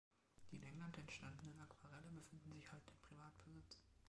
Die in England entstandenen Aquarelle befinden sich heute in Privatbesitz.